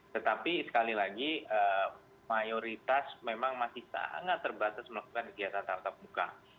tetapi sekali lagi mayoritas memang masih sangat terbatas melakukan kegiatan tatap muka